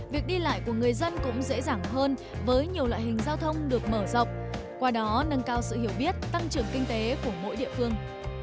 việc đi lại của người dân cũng dễ dàng hơn với nhiều loại hình giao thông được mở rộng qua đó nâng cao sự hiểu biết tăng trưởng kinh tế của mỗi địa phương